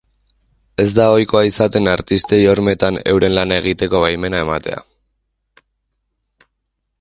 Ez da ohikoa izaten artistei hormetan euren lana egiteko baimena ematea.